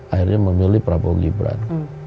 akhirnya memilih prabowo gibran